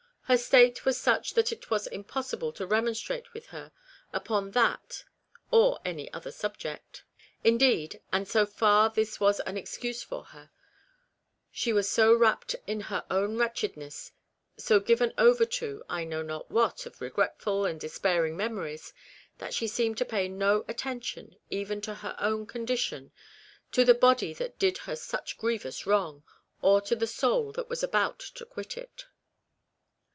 Her state was such that it was impossible to re monstrate with her upon that or any other 14 220 REBECCA'S REMORSE. subject ; indeed and, so far, this was an excuse for her she was so wrapt in her own wretched ness, so given over to, I know not what of regretful and despairing memories, that she seemed to pay no attention even to her own condition, to "the body that did her such grievous wrong," or to the soul that was about to quit it.